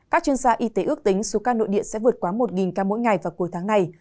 các chuyên gia y tế ước tính số ca nội địa sẽ vượt quá một ca mỗi ngày vào cuối tháng này